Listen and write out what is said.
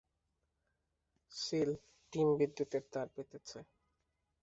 Seal team বিদ্যুতের তার পেতেছে।